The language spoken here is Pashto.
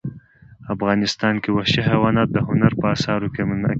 افغانستان کې وحشي حیوانات د هنر په اثار کې منعکس کېږي.